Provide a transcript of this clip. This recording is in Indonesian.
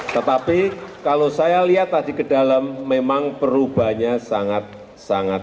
tetapi kalau saya lihat tadi ke dalam memang perubahannya sangat sangat